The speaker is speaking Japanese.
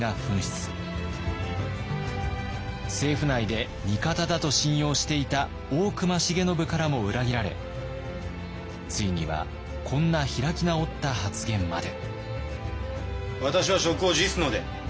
政府内で味方だと信用していた大隈重信からも裏切られついにはこんな開き直った発言まで。